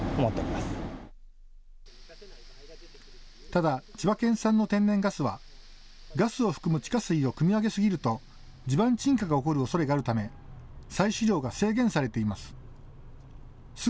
ただ、千葉県産の天然ガスはガスを含む地下水をくみ上げすぎると地盤沈下が起こるおそれがあるため採取量が制限されています。